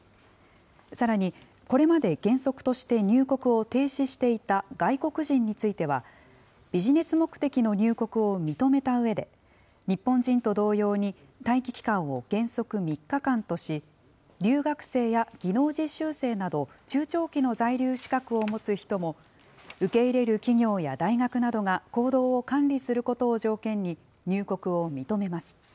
さらにこれまで原則として、入国を停止していた外国人については、ビジネス目的の入国を認めたうえで、日本人と同様に、待機期間を原則３日間とし、留学生や技能実習生など、中長期の在留資格を持つ人も受け入れる企業や大学などが行動を管理することを条件に入国を認めます。